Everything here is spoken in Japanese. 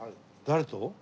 誰と？